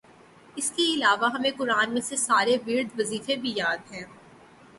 اسکے علاوہ ہمیں قرآن میں سے سارے ورد وظیفے بھی یاد ہیں